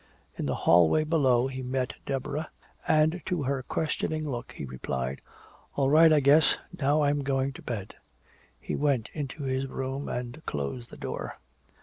In the hallway below he met Deborah, and to her questioning look he replied, "All right, I guess. Now I'm going to bed." He went into his room and closed the door.